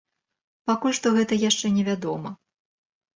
Пакуль што гэта яшчэ не вядома.